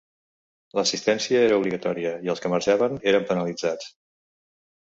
L'assistència era obligatòria, i els que marxaven eren penalitzats.